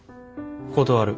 断る。